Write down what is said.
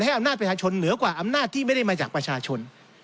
อำนาจประชาชนเหนือกว่าอำนาจที่ไม่ได้มาจากประชาชน